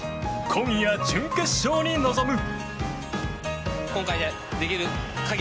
今夜、準決勝に臨む。